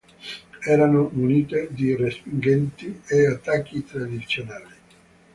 Erano munite di respingenti e attacchi tradizionali.